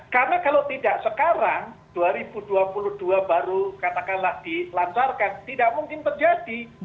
karena kalau tidak sekarang dua ribu dua puluh dua baru katakanlah dilancarkan tidak mungkin terjadi